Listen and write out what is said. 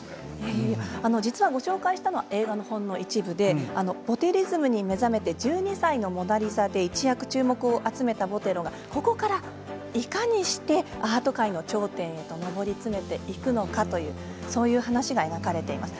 ご紹介したのは映画のほんの１つでボテリズムに目覚めて「１２歳のモナ・リザ」で一躍注目を集めたボテロがここからいかにしてアート界の頂点へと登り詰めていくのかというそういう話が描かれています。